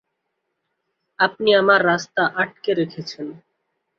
আপনি আমার রাস্তা আটকে রেখেছেন।